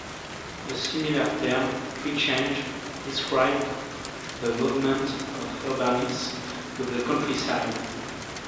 A similar term, treechange, describes the movement of urbanites to the countryside.